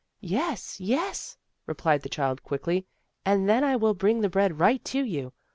"Yes, yes," replied the child quickly, "and then I will bring the bread right to you.